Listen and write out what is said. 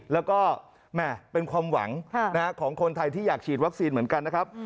แล้วก็เป็นความหวังของคนไทยที่อยากฉีดวัคซีนเหมือนกันนะครับ